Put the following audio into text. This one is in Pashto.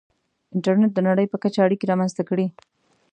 • انټرنېټ د نړۍ په کچه اړیکې رامنځته کړې.